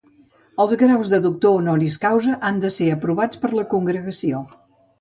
Els graus de doctor honoris causa han de ser aprovats per la Congregació.